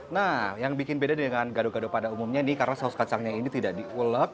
nah yang bikin beda dengan gado gado pada umumnya nih karena saus kacangnya ini tidak diulek